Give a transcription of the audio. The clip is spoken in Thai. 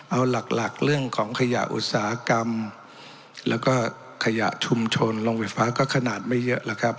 เอาหลักเรื่องของขยะอุตสาหกรรมแล้วก็ขยะชุมชนโรงไฟฟ้าก็ขนาดไม่เยอะแล้วครับ